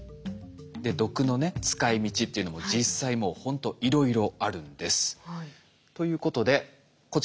毒のね使い道っていうのも実際もうほんといろいろあるんです。ということでこちら。